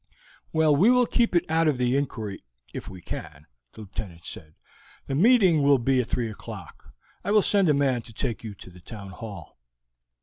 "Well, we will keep it out of the inquiry if we can," the Lieutenant said. "The meeting will be at three o'clock. I will send a man to take you to the Town Hall."